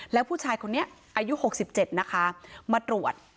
แล้วผู้ชายคนนี้อายุ๖๗นะคะมาตรวจ